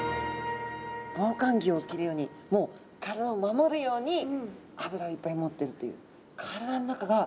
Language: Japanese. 防寒着を着るようにもう体を守るように脂をいっぱい持ってるという。